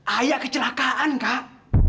ayak kecelakaan kak